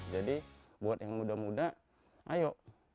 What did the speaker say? buat yang muda muda ayo